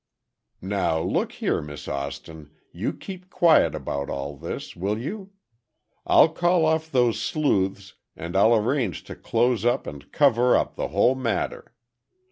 "Now, look here, Miss Austin, you keep quiet about all this, will you? I'll call off those sleuths and I'll arrange to close up and cover up the whole matter.